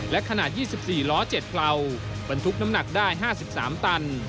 และขนาด๒๔ล้อ๗กรัมบรรทุกน้ำหนักได้๕๓ตัน